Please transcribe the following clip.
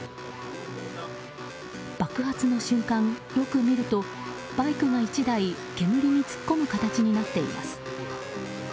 爆発の瞬間、よく見るとバイクが１台煙に突っ込む形になっています。